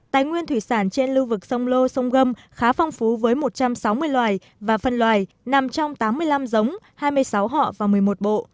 tài nguyên thủy sản trên lưu vực sông lô sông gâm khá phong phú với một trăm sáu mươi loài và phân loài nằm trong tám mươi năm giống hai mươi sáu họ và một mươi một bộ